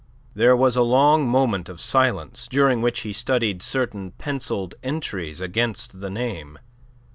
There was a long moment of silence, during which he studied certain pencilled entries against the name.